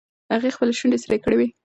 هغې خپلې شونډې سرې کړې وې.